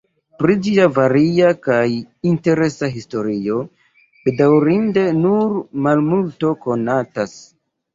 Pri ĝia varia kaj interesa historio bedaŭrinde nur malmulto konatas.